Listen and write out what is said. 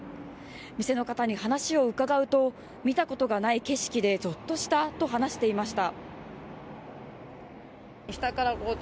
店の方に話を伺うと見たことない景色でぞっとしたと話していました。